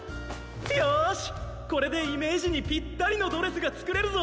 よしこれでイメージにぴったりのドレスがつくれるぞ！